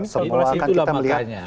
semua akan kita melihat